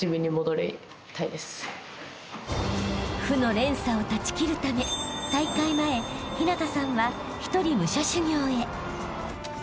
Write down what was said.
［負の連鎖を断ち切るため大会前陽向さんは一人］